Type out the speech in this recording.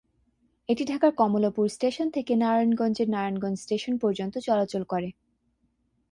এটি ঢাকার কমলাপুর স্টেশন থেকে নারায়ণগঞ্জের নারায়ণগঞ্জ স্টেশন পর্যন্ত চলাচল করে।